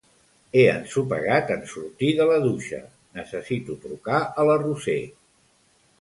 He ensopegat en sortir de la dutxa, necessito trucar a la Roser.